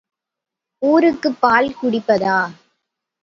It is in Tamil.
ஊருக்குப் பால் குடிப்பதா?